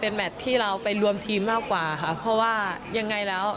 แมทที่เราไปรวมทีมมากกว่าค่ะเพราะว่ายังไงแล้ว